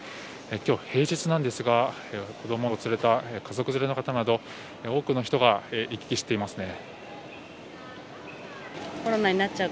今日平日なんですが子どもを連れた家族連れの方など多くの人が行き来していますね。